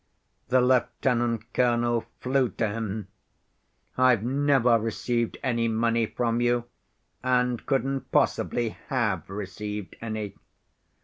The lieutenant‐colonel flew to him. 'I've never received any money from you, and couldn't possibly have received any.